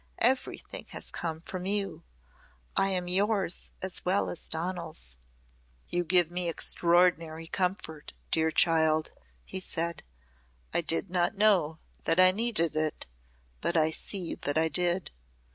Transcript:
Everything has come from you.... I am yours as well as Donal's." "You give me extraordinary comfort, dear child," he said. "I did not know that I needed it, but I see that I did.